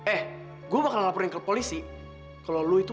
eh gue bakal laporin ke polisi kalau lu itu